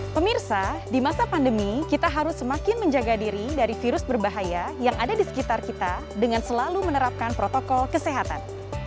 pemirsa di masa pandemi kita harus semakin menjaga diri dari virus berbahaya yang ada di sekitar kita dengan selalu menerapkan protokol kesehatan